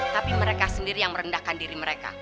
tapi mereka sendiri yang merendahkan diri mereka